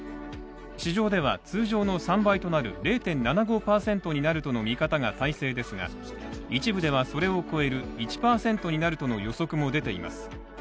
市場では通常の３倍となる０．７５％になるとの見方が大勢ですが一部ではそれを超える１％になるとの予測も出ています。